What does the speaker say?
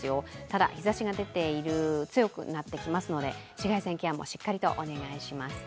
ただ、日ざしが強くなっていきますので紫外線ケアもしっかりとお願いします。